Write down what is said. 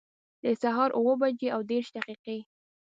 د سهار اووه بجي او دیرش دقیقي